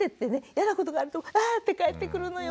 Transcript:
嫌なことがあるとあって帰ってくるのよ。